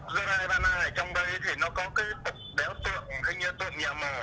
cái dân tộc gia lai ba na ở trong đây thì nó có cái tục đéo tượng hình như tượng nhà mồ